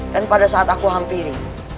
dan pada saat aku hampiri